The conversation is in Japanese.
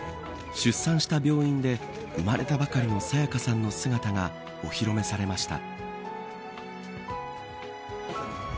出産した病院で生まれたばかりの沙也加さんの姿がお披露目されました。